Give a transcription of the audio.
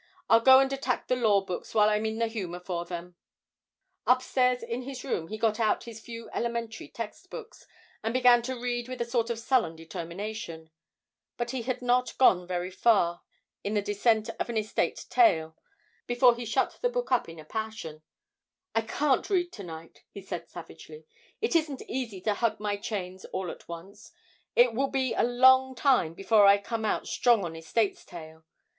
I'll go and attack the law books while I'm in the humour for them.' Upstairs in his room he got out his few elementary text books, and began to read with a sort of sullen determination; but he had not gone very far in the 'descent of an estate tail,' before he shut the book up in a passion: 'I can't read to night,' he said savagely; 'it isn't easy to hug my chains all at once; it will be a long time before I come out strong on estates tail.